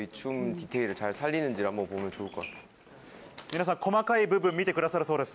皆さん細かい部分見てくださるそうです。